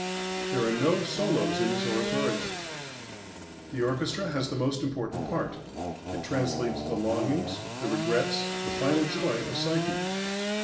There are no solos in this oratorio. The orchestra has the most important part; it translates the longings, the regrets, the final joy of Psyche....